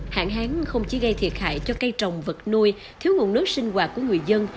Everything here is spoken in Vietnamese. hạn hán không chỉ gây thiệt hại cho cây trồng vật nuôi thiếu nguồn nước sinh hoạt của người dân